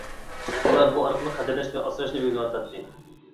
ئۇلار بۇ ئارقىلىق قەدىرلەش ۋە ئاسراشنى ئۆگىنىۋاتاتتى.